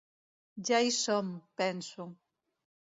Ja hi som, penso.